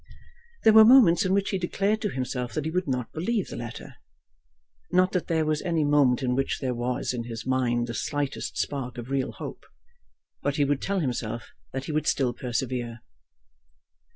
There were moments in which he declared to himself that he would not believe the letter, not that there was any moment in which there was in his mind the slightest spark of real hope. But he would tell himself that he would still persevere.